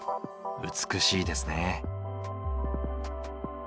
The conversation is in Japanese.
美しいですね。